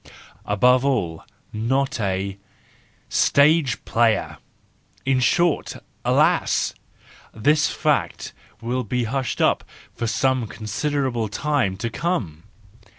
Above all, not a—stage player ! In short—alas ! this fact will be hushed up for some considerable time to come!